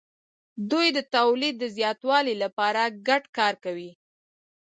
دوی د تولید د زیاتوالي لپاره ګډ کار کوي.